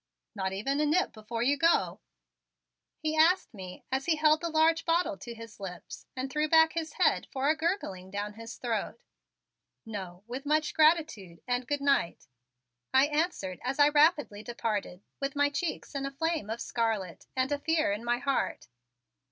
"Not even a nip before you go?" he asked me as he held the large bottle to his lips and threw back his head for a gurgling down his throat. "No, with much gratitude, and good night," I answered as I rapidly departed with my cheeks in a flame of scarlet and a fear in my heart.